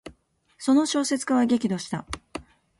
その小説家は激怒した。